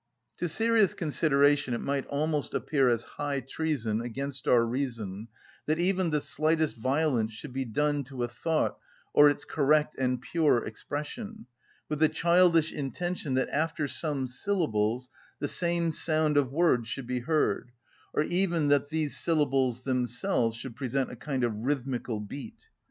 To serious consideration it might almost appear as high treason against our reason that even the slightest violence should be done to a thought or its correct and pure expression, with the childish intention that after some syllables the same sound of word should be heard, or even that these syllables themselves should present a kind of rhythmical beat.